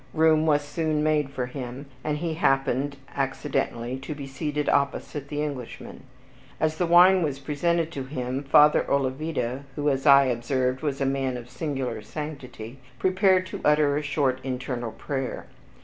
Room was soon made for him, and he happened accidentally to be seated opposite the Englishman. As the wine was presented to him, Father Olavida (who, as I observed, was a man of singular sanctity) prepared to utter a short internal prayer.